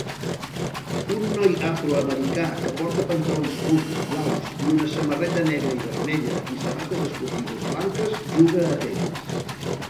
Un noi afroamericà que porta pantalons curts blaus i una samarreta negra i vermella i sabates esportives blanques juga a tenis